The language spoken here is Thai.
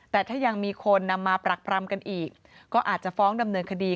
แต่ถ้ายังมีคนนำมาปรักปรำกันอีกก็อาจจะฟ้องดำเนินคดี